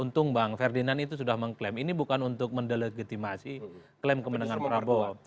untung bang ferdinand itu sudah mengklaim ini bukan untuk mendelegitimasi klaim kemenangan prabowo